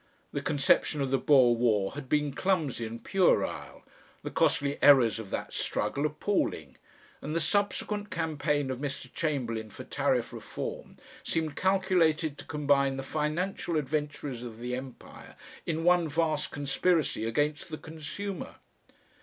The conception of the Boer War had been clumsy and puerile, the costly errors of that struggle appalling, and the subsequent campaign of Mr. Chamberlain for Tariff Reform seemed calculated to combine the financial adventurers of the Empire in one vast conspiracy against the consumer.